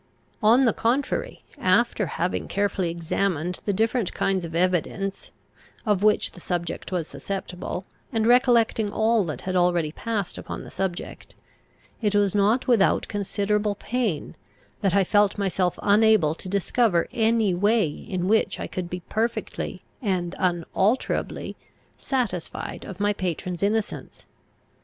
On the contrary, after having carefully examined the different kinds of evidence of which the subject was susceptible, and recollecting all that had already passed upon the subject, it was not without considerable pain, that I felt myself unable to discover any way in which I could be perfectly and unalterably satisfied of my patron's innocence.